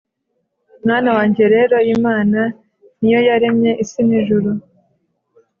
mwana wanjye rero imana ni yo yaremye isi n’ijuru